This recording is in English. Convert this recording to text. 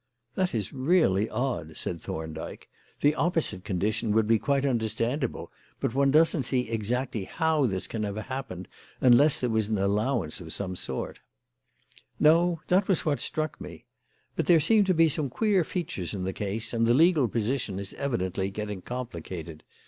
"That is really odd," said Thorndyke. "The opposite condition would be quite understandable, but one doesn't see exactly how this can have happened, unless there was an allowance of some sort." "No, that was what struck me. But there seem to be some queer features in the case, and the legal position is evidently getting complicated.